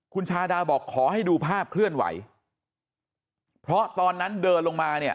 คุณชาดาบอกขอให้ดูภาพเคลื่อนไหวเพราะตอนนั้นเดินลงมาเนี่ย